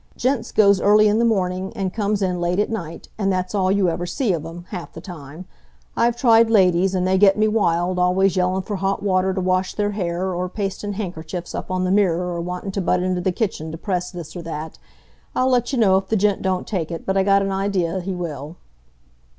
"Gents goes early in the morning and comes in late at night, and that's all you ever see of 'em, half the time. I've tried ladies, an' they get me wild, always yellin' for hot water to wash their hair, or pastin' handkerchiefs up on the mirr'r or wantin' to butt into the kitchen to press this or that. I'll let you know if the gent don't take it, but I got an idea he will."